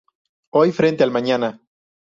Hoy frente al mañana".